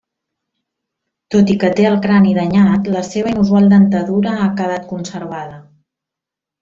Tot i que té el crani danyat, la seva inusual dentadura ha quedat conservada.